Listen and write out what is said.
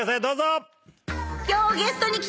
どうぞ！